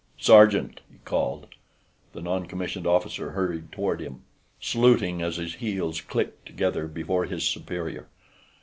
"Sergeant!" he called. The non commissioned officer hurried toward him, saluting as his heels clicked together before his superior.